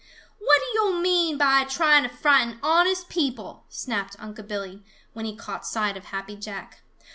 "What do yo' mean by trying to frighten honest people?" snapped Unc' Billy, when he caught sight of Happy Jack.